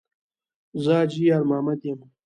ـ زه حاجي یارمحمد یم.